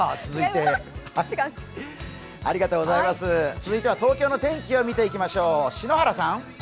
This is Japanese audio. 続いては東京の天気を見ていきましょう。